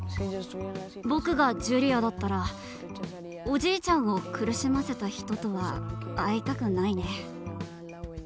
僕がジュリアだったらおじいちゃんを苦しませた人とは会いたくないね。